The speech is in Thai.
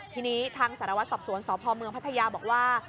ทีนี้ทางสารวัตรสอบสวนสพเมืองพัทยาบอกว่า